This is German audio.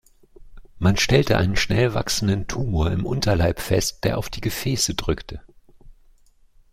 Man stellte einen schnell wachsenden Tumor im Unterleib fest, der auf die Gefäße drückte.